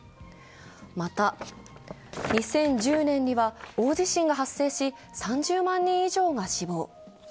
また２０１０年には大地震が発生し３０万人以上が死亡。